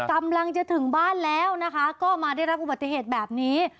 กำลังจะถึงบ้านแล้วนะคะก็มาได้รับอุบัติเหตุแบบนี้